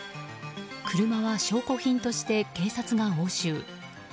車は証拠品として警察が押収。